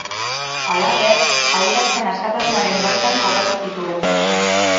Halaber, adierazpen askatasunaren baitan kokatu zituen.